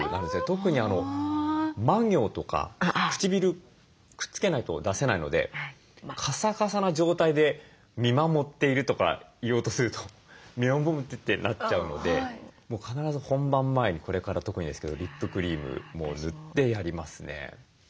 特にま行とか唇くっつけないと出せないのでカサカサな状態で「見守っている」とか言おうとするとってなっちゃうのでもう必ず本番前にこれから特にですけどリップクリームもう塗ってやりますね。